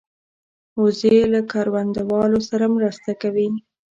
وزې له کروندهوالو سره مرسته کوي